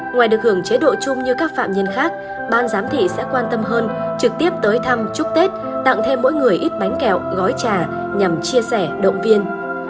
ngoài được hưởng chế độ chung như các phạm nhân khác ban giám thị sẽ quan tâm hơn trực tiếp tới thăm chúc tết tặng thêm mỗi người ít bánh kẹo gói trà nhằm chia sẻ động viên